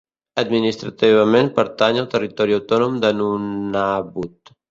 Administrativament pertany al Territori Autònom de Nunavut.